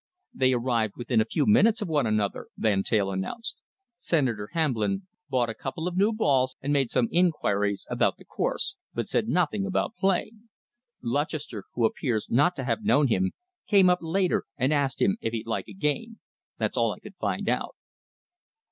"They arrived within a few minutes of one another," Van Teyl announced. "Senator Hamblin bought a couple of new balls and made some inquiries about the course, but said nothing about playing. Lutchester, who appears not to have known him, came up later and asked him if he'd like a game. That's all I could find out."